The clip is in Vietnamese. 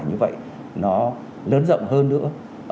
như vậy nó lớn rộng hơn nữa